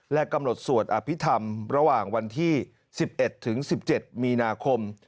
กำหนดสวดอภิษฐรรมระหว่างวันที่๑๑ถึง๑๗มีนาคม